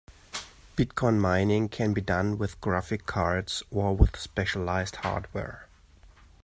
Bitcoin mining can be done with graphic cards or with specialized hardware.